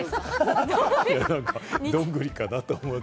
どんぐりかなと思って。